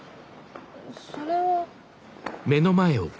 それは。